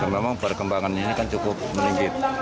memang perkembangannya ini kan cukup meninggit